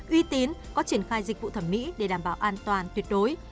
uy tín có triển khai dịch vụ thẩm mỹ để đảm bảo an toàn tuyệt đối